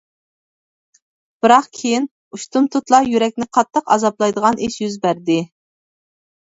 بىراق كېيىن، ئۇشتۇمتۇتلا، يۈرەكنى قاتتىق ئازابلايدىغان ئىش يۈز بەردى.